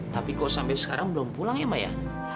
tapi kok sampai sekarang belum pulang ya maya